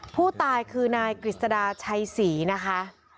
ผู้ตายคือนายกฤษดาชัยศรีนะคะ